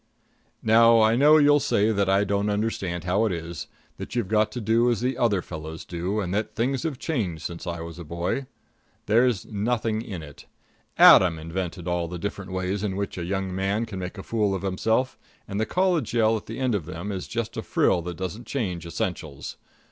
Now I know you'll say that I don't understand how it is; that you've got to do as the other fellows do; and that things have changed since I was a boy. There's nothing in it. Adam invented all the different ways in which a young man can make a fool of himself, and the college yell at the end of them is just a frill that doesn't change essentials.